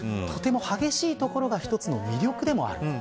とても激しいところが一つの魅力でもある。